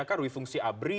kan rifungsi abri